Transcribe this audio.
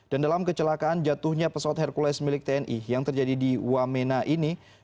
dan dalam kecelakaan jatuhnya pesawat hercules milik tni yang terjadi di wamena ini